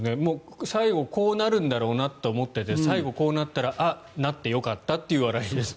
最後こうなるんだろうなと思ってて、最後こうなったらあっ、なってよかったなっていう笑いです。